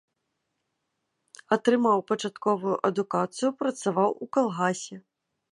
Атрымаў пачатковую адукацыю, працаваў у калгасе.